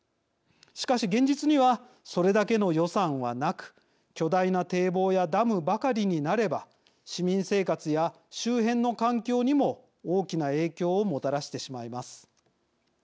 しかし、現実にはそれだけの予算はなく巨大な堤防やダムばかりになれば市民生活や周辺の環境にも大きな影響をもたらしてしまいます。